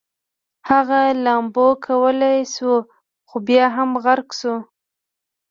هغه لامبو کولی شوه خو بیا هم غرق شو